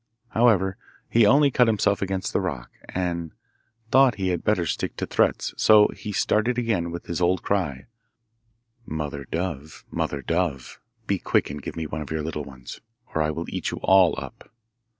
However, he only cut himself against the rock, and thought he had better stick to threats, so he started again with his old cry, 'Mother dove, mother dove! be quick and give me one of your little ones, or I will eat you all up.